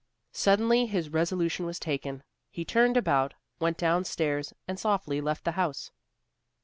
Suddenly his resolution was taken; he turned about, went down stairs and softly left the house.